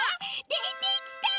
でてきた！